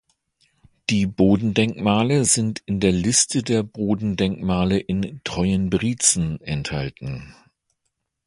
Die Bodendenkmale sind in der Liste der Bodendenkmale in Treuenbrietzen enthalten.